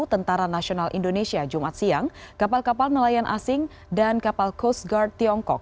tentara nasional indonesia jumat siang kapal kapal nelayan asing dan kapal coast guard tiongkok